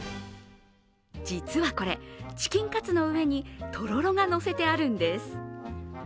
実はこれ、チキンカツの上にとろろが乗せてあるんです。